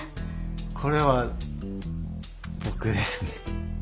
これは僕ですね。